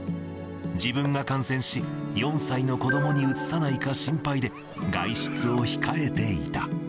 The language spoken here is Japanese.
自分が感染し、４歳の子どもにうつさないか心配で、外出を控えていた。